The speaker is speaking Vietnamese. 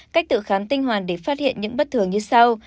cách tự khám tinh hoàn để phát hiện những bất thường như sau